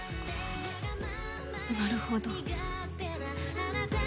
なるほど。